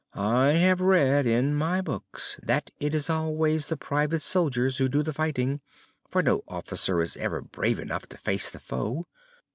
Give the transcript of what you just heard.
I have read in my books that it is always the private soldiers who do the fighting, for no officer is ever brave enough to face the foe.